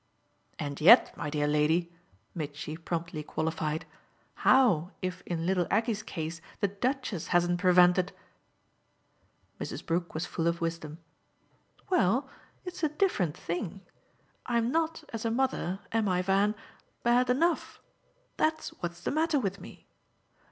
"And yet, my dear lady," Mitchy promptly qualified, "how if in little Aggie's case the Duchess hasn't prevented ?" Mrs. Brook was full of wisdom. "Well, it's a different thing. I'm not, as a mother am I, Van? bad ENOUGH. That's what's the matter with me.